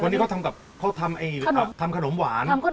วันนี่เขาทำถามขนมหวาน